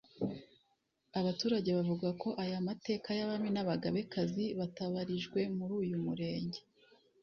Abaturage bavuga ko aya mateka y’abami n’abagabekazi batabarijwe muri uyu murenge